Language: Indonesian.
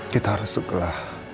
kita harus segera